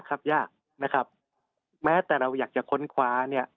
ครับยากนะครับแม้แต่เราอยากจะค้นคว้าเนี่ย